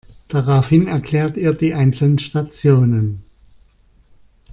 Daraufhin erklärt ihr die einzelnen Stationen.